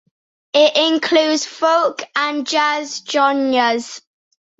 It includes folk and jazz genres.